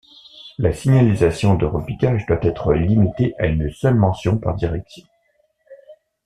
La signalisation de repiquage doit être limitée à une seule mention par direction.